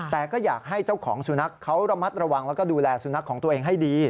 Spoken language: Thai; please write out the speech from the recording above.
แต่ก็อยากให้เจ้าของสุนัขเขาระมัดระวังแล้วก็ดูแลสุนัขของตัวเองให้ดี